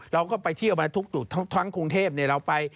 เราก็ไปเที่ยวมาทุกจุดทั้งกรุงเทพเราไป